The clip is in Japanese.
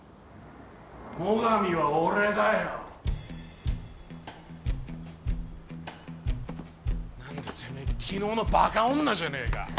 ・最上は俺だよ。何だてめえ昨日のバカ女じゃねえか。